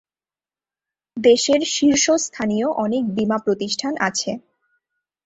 দেশের শীর্ষস্থানীয় অনেক বিমা প্রতিষ্ঠান আছে।